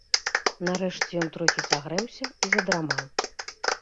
Нарэшце ён трохі сагрэўся і задрамаў.